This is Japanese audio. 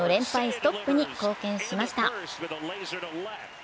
ストップに貢献しました。